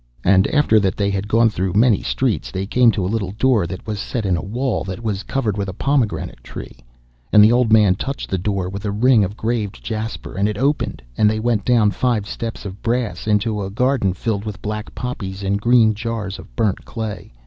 And after that they had gone through many streets they came to a little door that was set in a wall that was covered with a pomegranate tree. And the old man touched the door with a ring of graved jasper and it opened, and they went down five steps of brass into a garden filled with black poppies and green jars of burnt clay.